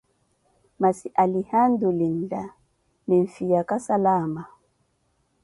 Masi alihandu linlahi, niifhiyaka salama.